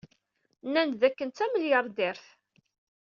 Nnan-d dakken d tamelyaṛdirt.